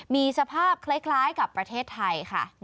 มีสภาพคล้ายกับประเทศไทยค่ะ